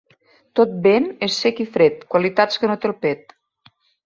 Tot vent és sec i fred, qualitats que no té el pet.